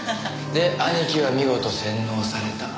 で兄貴は見事洗脳された。